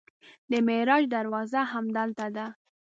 د معراج دروازه همدلته ده.